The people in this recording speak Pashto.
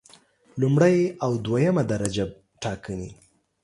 لومړی او دویمه درجه ټاکنې